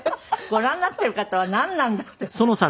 ご覧になっている方はなんなんだってさ。